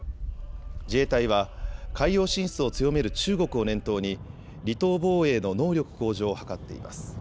自衛隊は海洋進出を強める中国を念頭に離島防衛の能力向上を図っています。